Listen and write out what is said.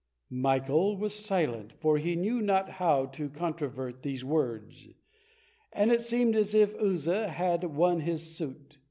Michael was silent, for he knew not how to controvert these words, and it seemed as if Uzza had won his suit.